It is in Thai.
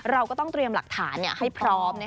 เราก็ต้องเตรียมหลักฐานให้พร้อม